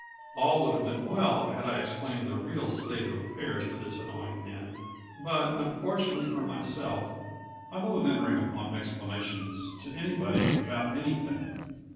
All would have been well had I explained the real state of affairs to this annoying man; but, unfortunately for myself, I loathe entering upon explanations to anybody about anything.